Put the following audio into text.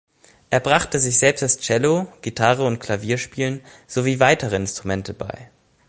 Er brachte sich selbst das Cello-, Gitarre- und Klavierspielen sowie weitere Instrumente bei.